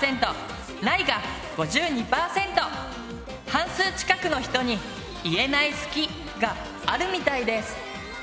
半数近くの人に「言えない好き」があるみたいです。